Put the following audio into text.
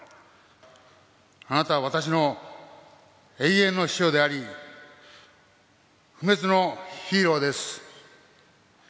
あなたは私の永遠の師匠であり、不滅のヒーローです。